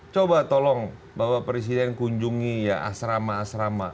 coba tolong bapak presiden kunjungi ya asrama asrama